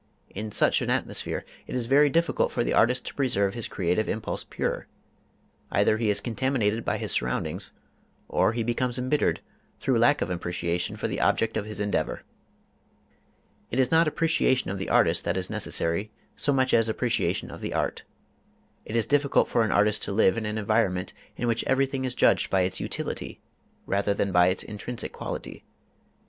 In such an atmosphere it is very difficult for the artist to preserve his creative impulse pure: either he is contaminated by his surroundings, or he becomes embittered through lack of appreciation for the object of his endeavor. It is not appreciation of the artist that is necessary so much as appreciation of the art. It is difficult for an artist to live in an environment in which everything is judged by its utility, rather than by its intrinsic quality.